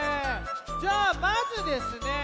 じゃあまずですね